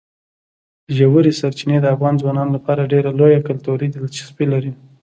ژورې سرچینې د افغان ځوانانو لپاره ډېره لویه کلتوري دلچسپي لري.